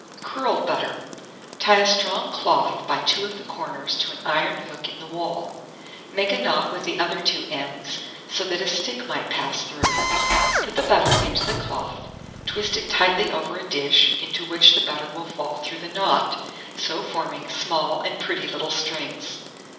CURLED BUTTER. 1635. Tie a strong cloth by two of the corners to an iron hook in the wall; make a knot with the other two ends, so that a stick might pass through. Put the butter into the cloth; twist it tightly over a dish, into which the butter will fall through the knot, so forming small and pretty little strings.